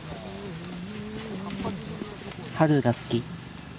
春が好き。